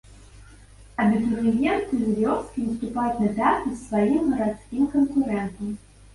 Абітурыенты з вёскі наступаюць на пяты сваім гарадскім канкурэнтам.